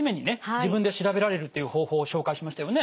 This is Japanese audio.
自分で調べられるという方法を紹介しましたよね。